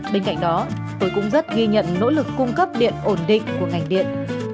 bên cạnh đó tôi cũng rất ghi nhận nỗ lực cung cấp điện ổn định của ngành điện